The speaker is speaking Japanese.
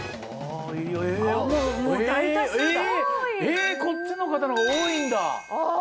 えこっちの方のほうが多いんだ